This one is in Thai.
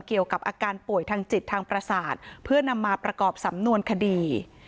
เกี่ยวกับอาการป่วยทางจิตทางประสาทเพื่อนำมาประกอบสำนวนคดี